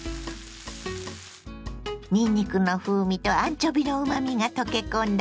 にんにくの風味とアンチョビのうまみが溶け込んだ